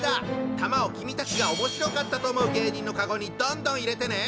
玉を君たちがおもしろかったと思う芸人のカゴにどんどん入れてね！